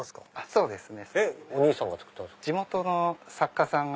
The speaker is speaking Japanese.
そうですね。